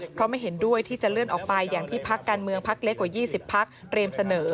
เพราะไม่เห็นด้วยที่จะเลื่อนออกไปอย่างที่พักการเมืองพักเล็กกว่า๒๐พักเตรียมเสนอ